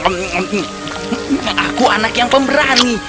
kau terlalu takut burung aku anak yang pemberani